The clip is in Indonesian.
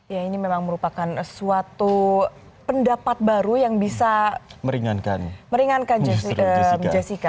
ya ini memang merupakan suatu pendapat baru yang bisa meringankan jessica